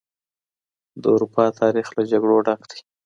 د اروپا تاريخ له جګړو ډک دی.